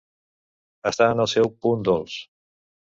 Estar en el seu punt dolç.